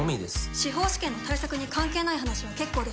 「司法試験の対策に関係ない話は結構です」